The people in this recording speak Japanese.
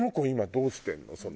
今どうしてるの？